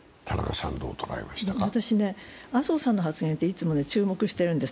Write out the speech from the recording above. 私、麻生さんの発言はいつも注目しているんです。